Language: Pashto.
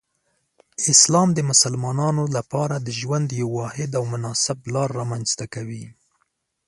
اسلام د مسلمانانو لپاره د ژوند یو واحد او مناسب لار رامنځته کوي.